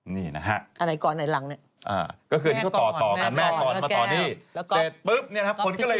นี่นะฮะแม่ก่อนแม่แก้วแล้วก็ก๊อปพิชยะ